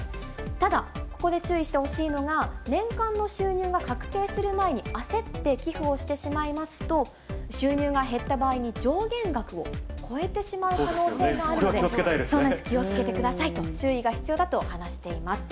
ただここで注意してほしいのが、年間の収入が確定する前に焦って寄付をしてしまいますと、収入が減った場合に上限額を超えてしまう可能性もあるので気をつけてくださいと、注意が必要だと話しています。